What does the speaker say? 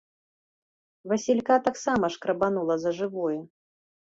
Васілька таксама шкрабанула за жывое.